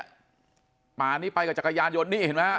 มาอันนี้ไปกับจักรยานยนต์นี่เห็นมั้ย